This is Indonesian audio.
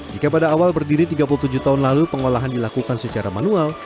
jika pada awal berdiri tiga puluh tujuh tahun lalu pengolahan dilakukan secara manual